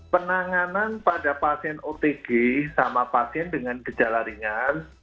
penanganan pada pasien otg sama pasien dengan gejala ringan